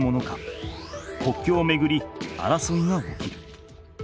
国境をめぐり争いが起きる。